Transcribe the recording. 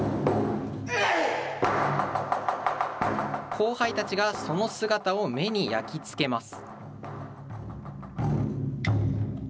後輩たちがその姿を目に焼き付けます。